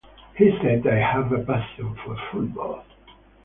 He said I have a passion for football.